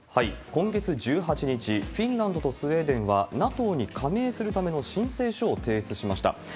今月１８日、フィンランドとスウェーデンは、ＮＡＴＯに加盟するための申請書を提出しました。